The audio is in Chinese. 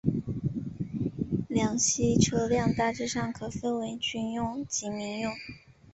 两栖车辆大致上可分为军用及民用。